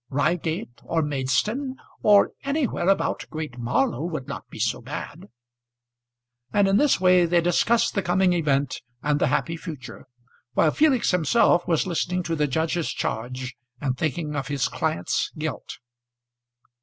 Reigate, or Maidstone, or anywhere about Great Marlow would not be so bad." And in this way they discussed the coming event and the happy future, while Felix himself was listening to the judge's charge and thinking of his client's guilt.